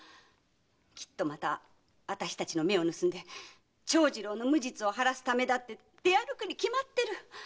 きっとまた私たちの目を盗んで長次郎の無実を晴らすためだって出歩くに決まってる！